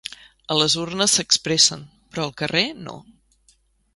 A les urnes s’expressen, però al carrer no.